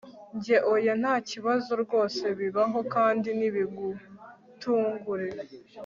Njye oya ntakibazo rwose bibaho kandi ntibigutungure